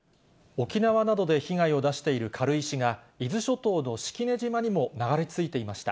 沖縄などで被害を出している軽石が、伊豆諸島の式根島にも流れ着いていました。